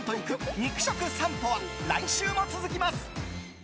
肉食さんぽは来週も続きます。